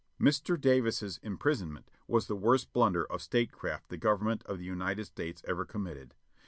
Mr. Davis's imprisonment was the worst blunder of statecraft the Government of the United States ever committed.